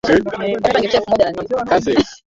hadi mwaka Mpaka karne ya kumi na nane eneo la Moscow